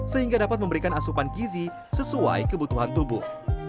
sehingga dapat memberikan asupan gizi sesuai kebutuhan tubuh